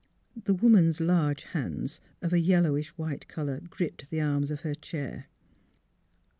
" The woman's large hands, of a yellowish white colour, gripped the arms of her chair.